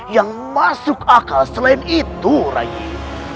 yang masuk akal selain itu rayi